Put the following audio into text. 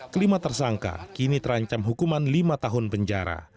kelima tersangka kini terancam hukuman lima tahun penjara